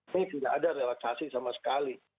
ini tidak ada relaksasi sama sekali